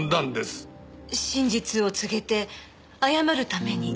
真実を告げて謝るために。